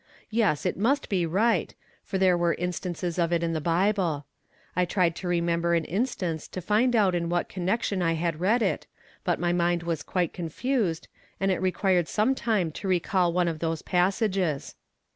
Yes, it must be right, for there were instances of it in the Bible. I tried to remember an instance to find out in what connection I had read it, but my mind was quite confused, and it required some time to recall one of those passages.